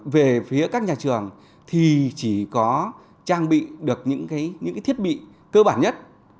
về phía các nhà trường thì chỉ có trang bị được những thiết bị cơ bản nhất